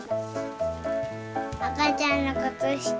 あかちゃんのくつした。